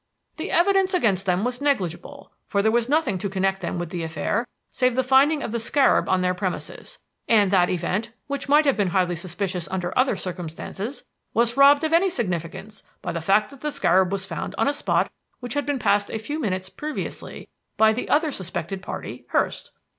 "The evidence against them was negligible, for there was nothing to connect them with the affair save the finding of the scarab on their premises; and that event which might have been highly suspicious under other circumstances, was robbed of any significance by the fact that the scarab was found on a spot which had been passed a few minutes previously by the other suspected party, Hurst.